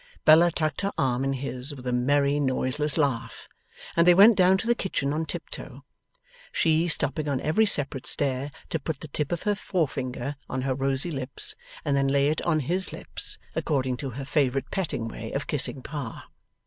Bella tucked her arm in his with a merry noiseless laugh, and they went down to the kitchen on tiptoe; she stopping on every separate stair to put the tip of her forefinger on her rosy lips, and then lay it on his lips, according to her favourite petting way of kissing Pa.